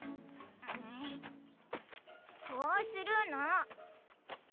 こうするの。